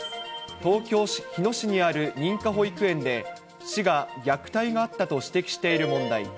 東京・日野市にある認可保育園で、市が虐待があったと指摘している問題。